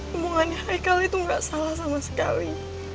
hubungan haikal itu gak salah sama sekali